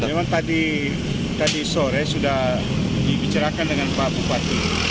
memang tadi sore sudah dibicarakan dengan pak bupati